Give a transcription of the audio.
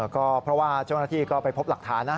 ก็เพราะว่าเจ้าหน้าที่ก็ไปพบหลักฐานนะ